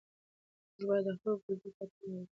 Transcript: موږ باید د خپل کلتور ساتنه وکړو.